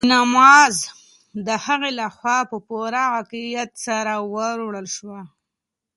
د جاینماز ژۍ د هغې لخوا په پوره عقیدت سره ورواړول شوه.